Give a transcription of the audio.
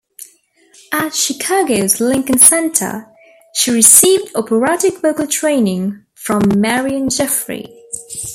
At Chicago's Lincoln Center, she received operatic vocal training from Marion Jeffery.